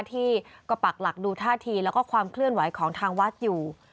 ที่ก็ปักหลักดูท่าทีแล้วก็ความเคลื่อนไหวของทางวัดอยู่